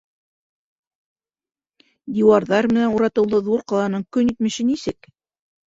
— Диуарҙар менән уратыулы ҙур ҡаланың көнитмеше нисек?